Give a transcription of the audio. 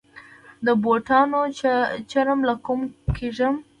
د بوټانو چرم له کومه کیږي؟